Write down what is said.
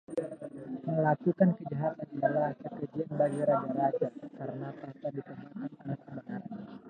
Melakukan kejahatan adalah kekejian bagi raja-raja karena takhta ditegakkan oleh kebenaran.